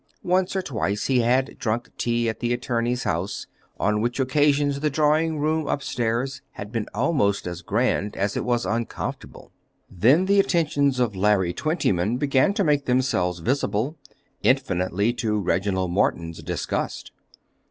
Once or twice he had drunk tea at the attorney's house, on which occasions the drawing room upstairs had been almost as grand as it was uncomfortable. Then the attentions of Larry Twentyman began to make themselves visible, infinitely to Reginald Morton's disgust.